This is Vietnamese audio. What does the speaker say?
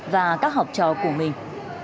và các học trò của mình